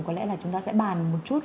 có lẽ là chúng ta sẽ bàn một chút